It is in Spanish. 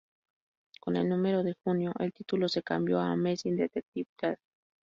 Con el número de junio, el título se cambió a "Amazing Detective Tales".